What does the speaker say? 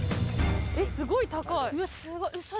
すごい高い。